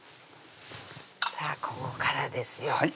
ここからですよ